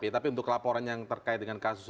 tapi untuk laporan yang terkait dengan kasus